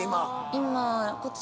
今。